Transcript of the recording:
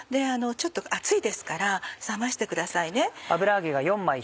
ちょっと熱いですから冷ましてくださいね。